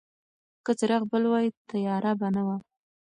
که څراغ بل وای، تیاره به نه وه.